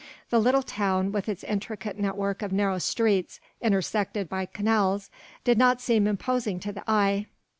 The little town with its intricate network of narrow streets intersected by canals did not seem imposing to the eye.